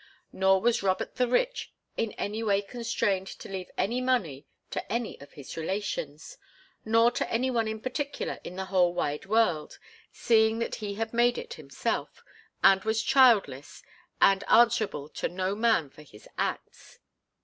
Nor was Robert the Rich in any way constrained to leave any money to any of his relations, nor to any one in particular in the whole wide world, seeing that he had made it himself, and was childless and answerable to no man for his acts.